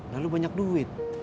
nah lo banyak duit